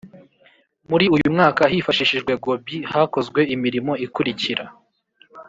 Muri uyu mwaka hifashishijwe goobi hakozwe imirimo ikurikira